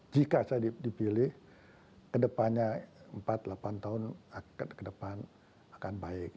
jika saya dipilih ke depannya empat delapan tahun ke depan akan baik